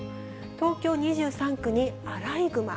東京２３区にアライグマ。